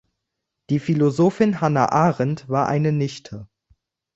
Die Philosophin Hannah Arendt war eine Nichte.